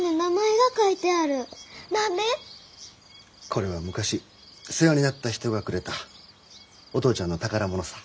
これは昔世話になった人がくれたお父ちゃんの宝物さ。